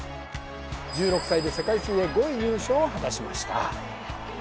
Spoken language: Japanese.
１６歳で世界水泳５位入賞を果たしました